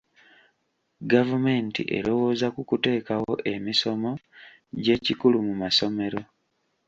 Gavumenti erowooza ku kuteekawo emisomo gy'ekikulu mu masomero.